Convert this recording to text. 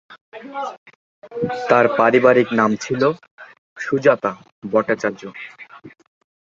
তার পারিবারিক নাম ছিল সুজাতা ভট্টাচার্য।